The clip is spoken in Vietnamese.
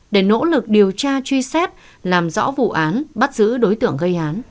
để nỗ lực điều tra truy xét làm rõ vụ án bắt giữ đối tượng gây án